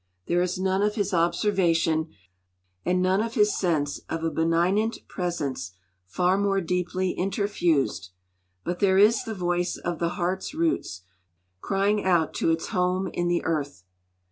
There is none of his observation, and none of his sense of a benignant 'presence far more deeply interfused'; but there is the voice of the heart's roots, crying out to its home in the earth.